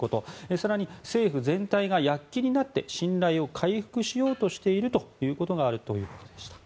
更に政府全体が躍起になって信頼を回復しようとしているということがあるということでした。